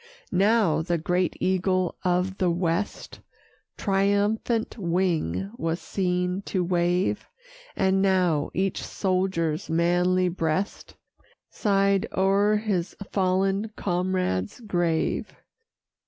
Now the great Eagle of the West Triumphant wing was seen to wave! And now each soldier's manly breast Sigh'd o'er his fallen comrade's grave.